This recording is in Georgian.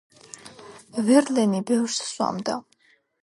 ვერლენი ბევრს სვამდა.